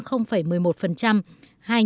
hai nhóm mạng